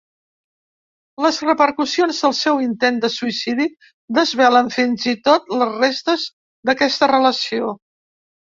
Les repercussions del seu intent de suïcidi desvelen fins i tot les restes d'aquesta relació.